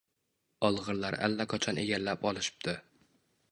Olg`irlar allaqachon egallab olishibdi